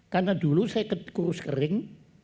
karena dulu saya kurus kering